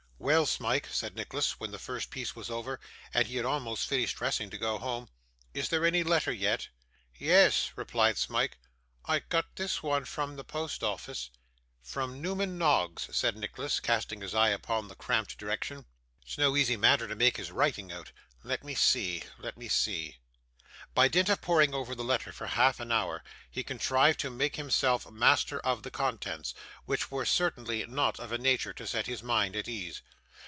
'Well, Smike,' said Nicholas when the first piece was over, and he had almost finished dressing to go home, 'is there any letter yet?' 'Yes,' replied Smike, 'I got this one from the post office.' 'From Newman Noggs,' said Nicholas, casting his eye upon the cramped direction; 'it's no easy matter to make his writing out. Let me see let me see.' By dint of poring over the letter for half an hour, he contrived to make himself master of the contents, which were certainly not of a nature to set his mind at ease.